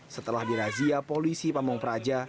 setelah dirazia polisi pamung praja